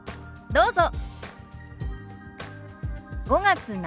どうぞ。